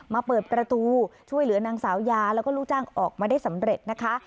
เปิดประตูช่วยเหลือนางสาวยาแล้วก็ลูกจ้างออกมาได้สำเร็จนะคะ